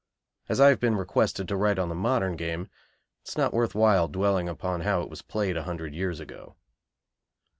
As I have been requested to write on the modern game it is not worth while dwelling upon how it was played a hundred years ago.